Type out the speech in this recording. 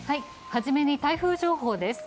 初めに台風情報です。